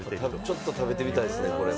ちょっと食べてみたいですね。